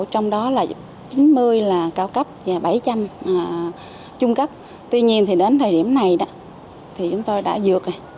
trong đó chín mươi là cao cấp và bảy trăm linh là trung cấp tuy nhiên thì đến thời điểm này thì chúng ta đã dược rồi